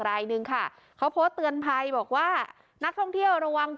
รายนึงค่ะเขาโพสต์เตือนภัยบอกว่านักท่องเที่ยวระวัง